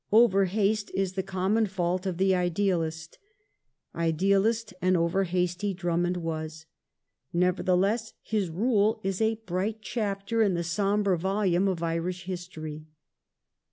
Overhaste is the common fault of 126 IRISH AFFAIRS [1833 the idealist. Idealist and overhasty Drummond was. Nevertheless, his rule is a bright chapter in the sombre volume of Irish history.